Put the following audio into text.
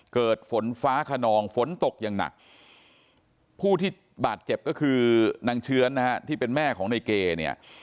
เกิดฝนฟ้าขนองฝนตกอย่างหนักผู้ที่บาดเจ็บก็คือนางเชื้อนนะฮะที่เป็นแม่ของในเกย์เนี่ย